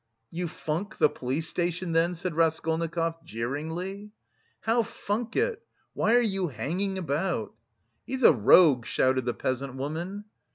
"You funk the police station then?" said Raskolnikov jeeringly. "How funk it? Why are you hanging about?" "He's a rogue!" shouted the peasant woman.